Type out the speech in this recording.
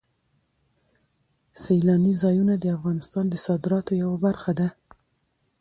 سیلاني ځایونه د افغانستان د صادراتو یوه برخه ده.